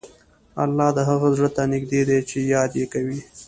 الله د هغه زړه ته نږدې دی چې یاد یې کوي.